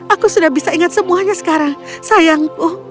aku sudah bisa ingat semuanya sekarang sayangku